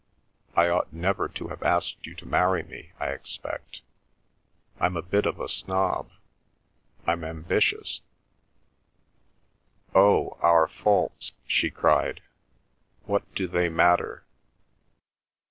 I ought never to have asked you to marry me, I expect. I'm a bit of a snob; I'm ambitious—" "Oh, our faults!" she cried. "What do they matter?"